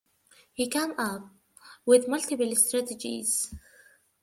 He came up with multiple strategies.